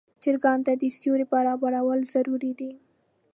چرګانو ته د سیوري برابرول ضروري دي.